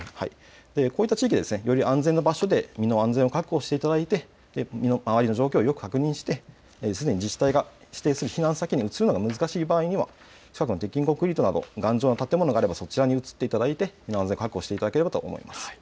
こういった地域、より安全な場所で身の安全を確保していただいて身の回りの状況をよく確認して自治体が指定する避難場所に移ることが難しい場合は近くの頑丈な建物などに移っていただいて身の安全を確保していただければと思います。